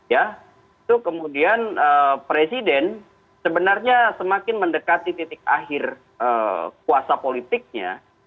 ya itu kemudian presiden sebenarnya semakin mendekati titik akhir kuasa politiknya